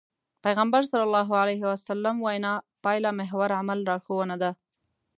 پيغمبر ص وينا پايلهمحور عمل لارښوونه ده.